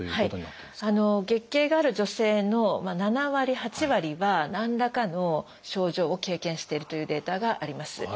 月経がある女性の７割８割は何らかの症状を経験しているというデータがあります。